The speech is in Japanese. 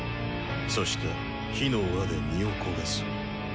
そして火の輪で身を焦がす。